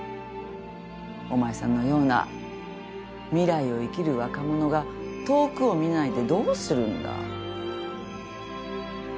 お前さんのような未来を生きる若者が遠くを見ないでどうするんだ。